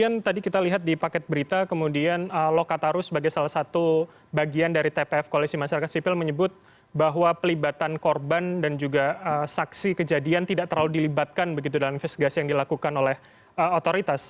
kemudian tadi kita lihat di paket berita kemudian lokataru sebagai salah satu bagian dari tpf koalisi masyarakat sipil menyebut bahwa pelibatan korban dan juga saksi kejadian tidak terlalu dilibatkan begitu dalam investigasi yang dilakukan oleh otoritas